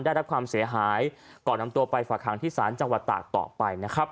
ได้รับความเสียหายก่อนกระนำตัวไปฝากหางที่ศาลจังหวัดต่อไป